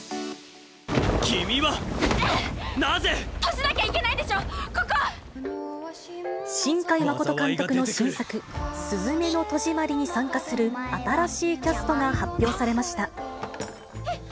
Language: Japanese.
君はなぜ？閉じなきゃいけないんでしょ、新海誠監督の新作、すずめの戸締まりに参加する新しいキャストが発表されました。